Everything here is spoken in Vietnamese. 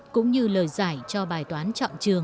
cũng như lời giải cho bài toán chọn trường